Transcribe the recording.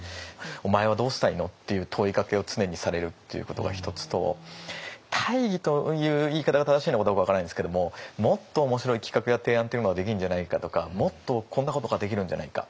「お前はどうしたいの？」っていう問いかけを常にされるっていうことが一つと大義という言い方が正しいのかどうか分からないんですけどももっと面白い企画や提案っていうのができるんじゃないかとかもっとこんなことができるんじゃないか。